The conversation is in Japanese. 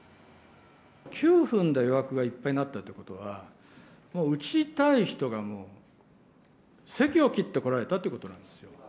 ９分で予約がいっぱいになったということは、もう打ちたい人がもう、せきを切って、来られたってことなんですよ。